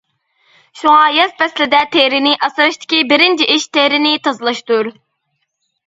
شۇڭا ياز پەسلىدە تېرىنى ئاسراشتىكى بىرىنچى ئىش تېرىنى تازىلاشتۇر.